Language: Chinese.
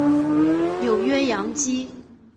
纽约洋基